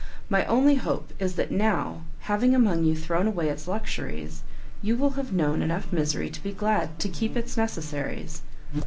My only hope is that now, having among you thrown away its luxuries, you will have known enough of misery to be glad to keep its necessaries."